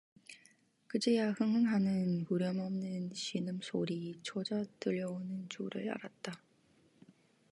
그제야 흥흥 하는 후렴없는 신음소리조차 들려오는 줄을 알았다.